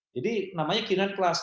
jadi namanya q sembilan plus